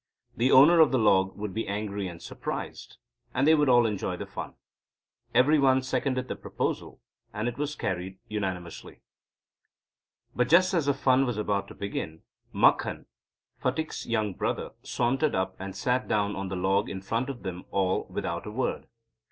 The owner of the log would be angry and surprised, and they would all enjoy the fun. Every one seconded the proposal, and it was carried unanimously. But just as the fun was about to begin, Makhan, Phatik's younger brother, sauntered up, and sat down on the log in front of them all without a word.